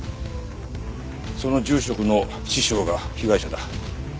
その住職の師匠が被害者だ。